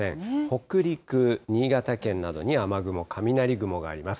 北陸、新潟県などに雨雲、雷雲があります。